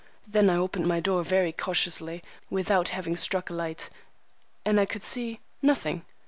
Then I opened my door very cautiously, without having struck a light, and could see—nothing!